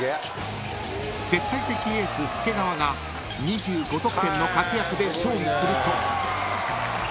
［絶対的エース介川が２５得点の活躍で勝利すると］